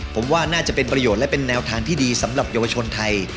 ผมว่าน่าจะเป็นประโยชน์และเป็นแนวทางที่ดีสำหรับเยาวชนไทย